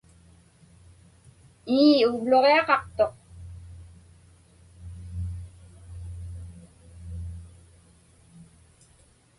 Ii, uvluġiaqaqtuq.